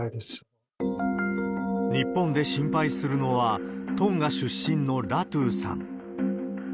日本で心配するのは、トンガ出身のラトゥさん。